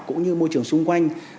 cũng như môi trường xung quanh